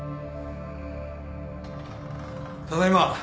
ただいま。